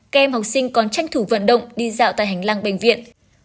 các em học sinh còn tranh thủ vận động đi dạo tại hành lang bệnh viện